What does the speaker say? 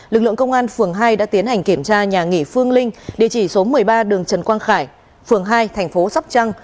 lực lượng công an phường hai đã tiến hành kiểm tra nhà nghỉ phương linh địa chỉ số một mươi ba đường trần quang khải phường hai thành phố sóc trăng